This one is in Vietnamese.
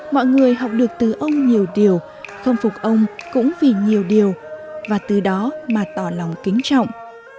mọi người học được từ ông nhiều điều khâm phục ông cũng vì nhiều điều và từ đó mà tỏ lòng kính trọng